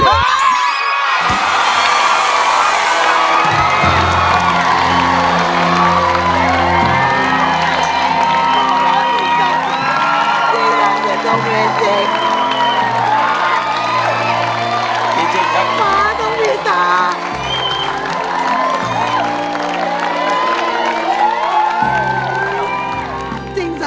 ข้ามทีนี้ไปดีกว่า